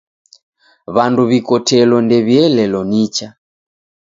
W'andu w'ikotelo ndew'ielelo nicha.